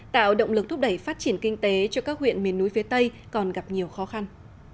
tạo động lực thúc đẩy phát triển kinh tế cho các huyện miền núi phía tây còn gặp nhiều khó khăn